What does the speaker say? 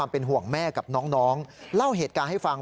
เป็นห่วงแม่กับน้องเล่าเหตุการณ์ให้ฟัง